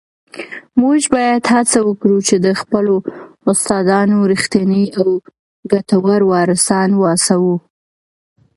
موږ باید هڅه وکړو چي د خپلو استادانو رښتیني او ګټور وارثان واوسو.